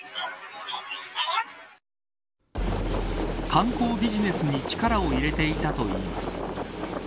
観光ビジネスに力を入れていたといいます。